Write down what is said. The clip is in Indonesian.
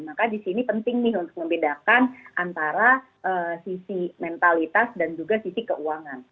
maka di sini penting nih untuk membedakan antara sisi mentalitas dan juga sisi keuangan